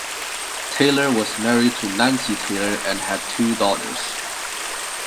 Taylor was married to Nancy Taylor and had two daughters.